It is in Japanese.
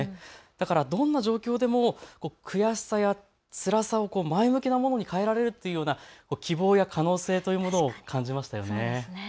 だからどんな状況でも悔しさやつらさを前向きなものに変えられるというような希望や可能性というものを感じましたよね。